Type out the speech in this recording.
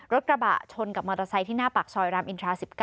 รถกระบะชนกับมอเตอร์ไซค์ที่หน้าปากซอยรามอินทรา๑๙